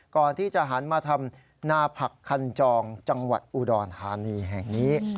ก่อนที่จะหันมาทำนาผักคันจองจังหวัดอุดรธานีแห่งนี้